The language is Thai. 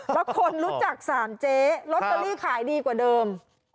แล้วคนรู้จักสามเจ๊ลอตเตอรี่ขายดีกว่าเดิม